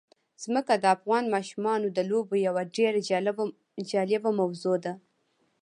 ځمکه د افغان ماشومانو د لوبو یوه ډېره جالبه موضوع ده.